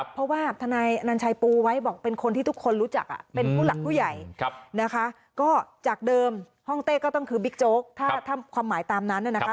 เพราะว่าทนายอนัญชัยปูไว้บอกเป็นคนที่ทุกคนรู้จักเป็นผู้หลักผู้ใหญ่นะคะก็จากเดิมห้องเต้ก็ต้องคือบิ๊กโจ๊กถ้าความหมายตามนั้นนะคะ